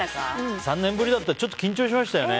３年ぶりだとちょっと緊張しましたよね。